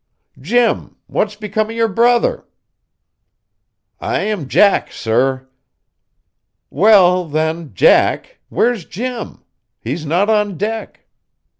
"Jim, what's become of your brother?" "I am Jack, sir." "Well, then, Jack, where's Jim? He's not on deck."